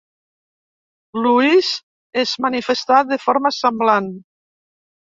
Luis es manifestà de forma semblant.